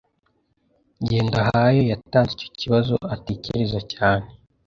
Ngendahayo yatanze icyo kibazo atekereza cyane.